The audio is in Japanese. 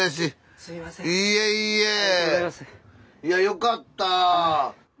いやよかった！